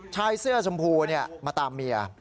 ชายเสื้อชมพูมาตามเมีย